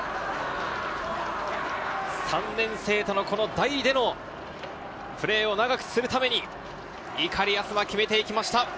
３年生とのプレーを長くするために碇明日麻、決めていきました。